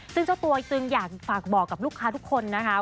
ซึ่งเจ้าตัวจึงอยากฝากบอกกับลูกค้าทุกคนนะคะ